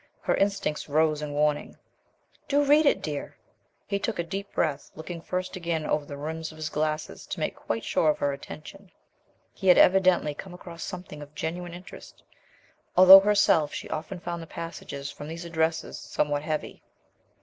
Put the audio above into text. Her instincts rose in warning. "Do read it, dear." He took a deep breath, looking first again over the rims of his glasses to make quite sure of her attention. He had evidently come across something of genuine interest, although herself she often found the passages from these "Addresses" somewhat heavy.